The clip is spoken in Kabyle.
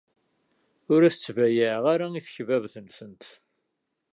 Ur as-ttbayaɛeɣ i tekbabt-nsent.